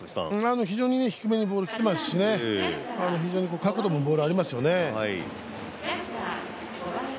非常に、低めにボールきてますし非常に角度もボール、ありますよね